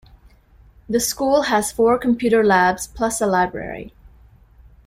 The school has four computer labs plus a library.